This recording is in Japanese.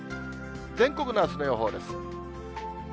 全国のあすの予報です。